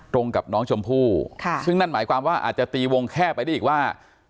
กับน้องชมพู่ซึ่งนั่นหมายความว่าอาจจะตีวงแคบไปได้อีกว่า